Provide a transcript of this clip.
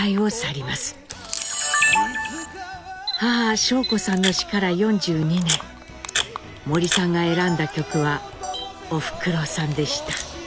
母尚子さんの死から４２年森さんが選んだ曲は「おふくろさん」でした。